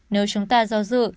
nếu chúng ta do dự